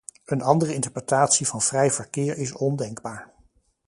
Een andere interpretatie van vrij verkeer is ondenkbaar.